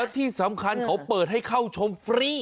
ที่สำคัญเขาเปิดให้เข้าชมฟรี